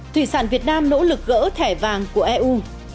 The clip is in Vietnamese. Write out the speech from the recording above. thủy sản việt nam nỗ lực gỡ thẻ vàng của eu